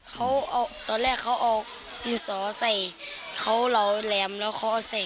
เขาเอาตอนแรกเขาเอาดินสอใส่เขาเราแหลมแล้วเขาเอาใส่